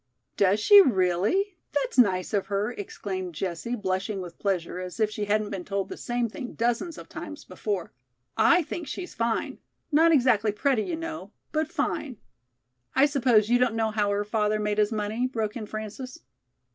"Does she, really? That's nice of her," exclaimed Jessie, blushing with pleasure as if she hadn't been told the same thing dozens of times before. "I think she's fine; not exactly pretty, you know, but fine." "I suppose you don't know how her father made his money?" broke in Frances.